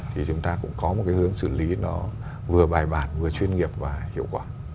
thì chúng ta cũng có một cái hướng xử lý nó vừa bài bản vừa chuyên nghiệp và hiệu quả